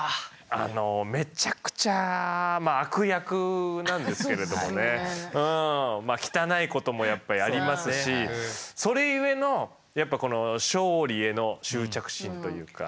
めちゃくちゃまあ悪役なんですけれどもね汚いこともやっぱやりますしそれゆえのやっぱこの勝利への執着心というか。